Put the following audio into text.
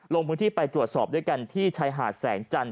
ลงพื้นที่ไปตรวจสอบด้วยกันที่ชายหาดแสงจันท